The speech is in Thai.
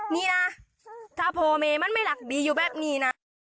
นี่นะถ้าโพเมมันไม่หลักบีอยู่แบบนี้นะ